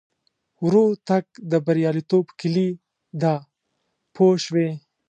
ورو تګ د بریالیتوب کیلي ده پوه شوې!.